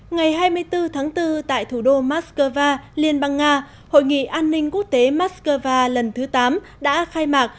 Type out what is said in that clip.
ngày hai mươi bốn tháng bốn tại thủ đô moscow liên bang nga hội nghị an ninh quốc tế moscow lần thứ tám đã khai mạc